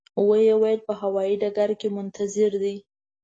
و یې ویل په هوایي ډګر کې منتظر دي.